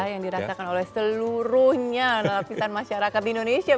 yang dirasakan oleh seluruhnya lapisan masyarakat di indonesia